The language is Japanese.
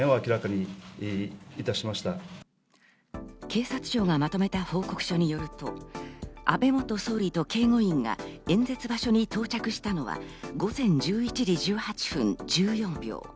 警察庁がまとめた報告書によると、安倍元総理と警護員が演説場所に到着したのは、午前１１時１８分１４秒。